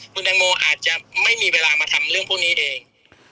คุณแตงโมอาจจะไม่มีเวลามาทำเรื่องพวกนี้เอง